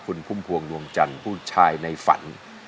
คุณพุ่มพวงดวงจันทร์ผู้ชายในฝัน